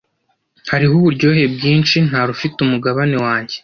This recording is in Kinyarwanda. hariho uburyohe bwinshi ntarufite umugabane wanjye